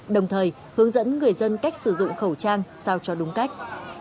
đồng thời hướng dẫn người dân cách sử dụng khẩu trang sao cho đúng cách